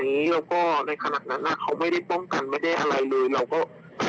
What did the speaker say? แต่ว่าตอนนั้นเธอกลับมาเราก็รีบไปซื้อตัวยาคุมทุกเฉินนะคะกินก่อน